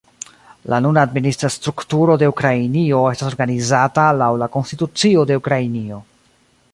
La nuna administra strukturo de Ukrainio estas organizata laŭ la konstitucio de Ukrainio.